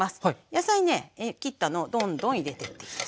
野菜ね切ったのをどんどん入れてっていいです。